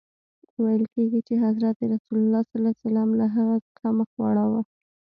ویل کیږي چي حضرت رسول ص له هغه څخه مخ واړاوه.